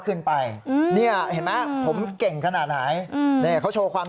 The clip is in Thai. ขึ้นไปเนี่ยเห็นไหมผมเก่งขนาดไหนนี่เขาโชว์ความ